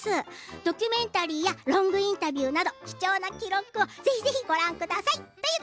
ドキュメンタリーやロングインタビューなど貴重な記録をぜひご覧ください。